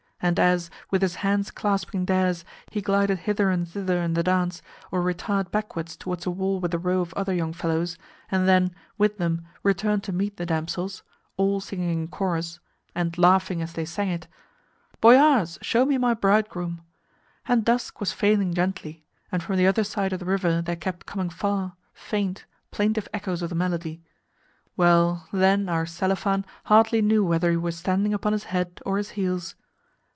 And as, with his hands clasping theirs, he glided hither and thither in the dance, or retired backwards towards a wall with a row of other young fellows, and then, with them, returned to meet the damsels all singing in chorus (and laughing as they sang it), "Boyars, show me my bridegroom!" and dusk was falling gently, and from the other side of the river there kept coming far, faint, plaintive echoes of the melody well, then our Selifan hardly knew whether he were standing upon his head or his heels.